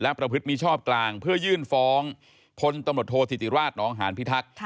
ประพฤติมิชอบกลางเพื่อยื่นฟ้องพลตำรวจโทษธิติราชนองหานพิทักษ์